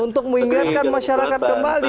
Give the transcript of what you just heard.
untuk mengingatkan masyarakat kembali